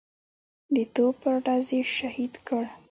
د توپ پر ډز یې شهید کړ.